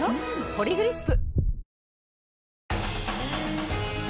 「ポリグリップ」